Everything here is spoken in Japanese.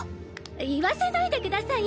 言わせないでください！